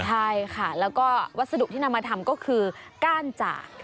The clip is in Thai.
ใช่ค่ะแล้วก็วัสดุที่นำมาทำก็คือก้านจ่า